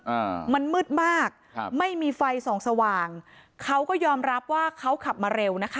อ่ามันมืดมากครับไม่มีไฟส่องสว่างเขาก็ยอมรับว่าเขาขับมาเร็วนะคะ